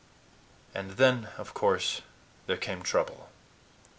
And then, of course, there came trouble.